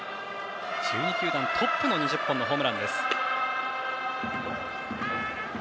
１２球団トップの２０本のホームランです。